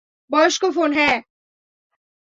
বয়স্ক ফোন, হ্যাঁ?